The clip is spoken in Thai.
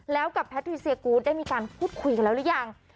แล้วกับแพทริเซียกูธได้มีการพูดคุยกันแล้วหรือยัง